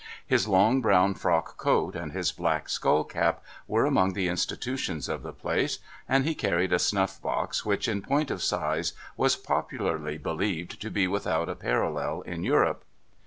His long brown frock coat and his black skull cap, were among the institutions of the place : and he carried a snuff box which, in point of size, was popularly believed to be without a parallel in Europe.